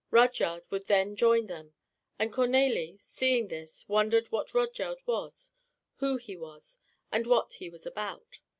Rudyard would then join them; and Cornélie, seeing this, wondered what Rudyard was, who he was and what he was about.